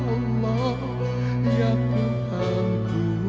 ada dua orang yang